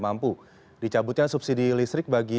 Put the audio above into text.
tim liputan cnn indonesia